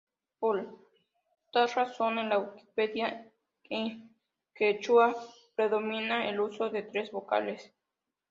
Por tal razón, en la Wikipedia en quechua predomina el uso de tres vocales.